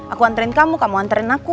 aku nganterin kamu kamu nganterin aku